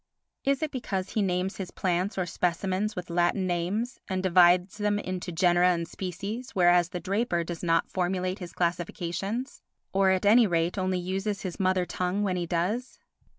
Is it because he names his plants or specimens with Latin names and divides them into genera and species, whereas the draper does not formulate his classifications, or at any rate only uses his mother tongue when he does?